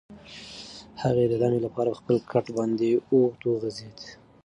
هغه د دمې لپاره په خپل کټ باندې اوږد وغځېد.